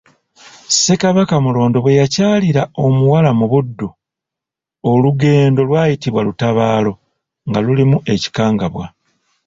Ssekabaka Mulondo bwe yakyalira omuwala mu Buddu, olugendo lwayitibwa lutabaalo, nga lulimu ekikangabwa.